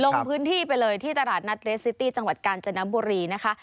ลงพื้นที่ไปเลยที่ตลาดนัดเรสซิตี้จังหวัดกาญจนบุรีนะคะ